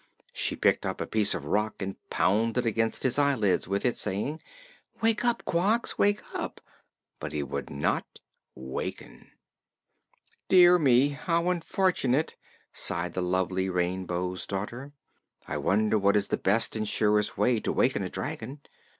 She picked up a piece of rock and pounded against his eyelids with it, saying: "Wake up, Quox wake up!" But he would not waken. "Dear me, how unfortunate!" sighed the lovely Rainbow's Daughter. "I wonder what is the best and surest way to waken a dragon.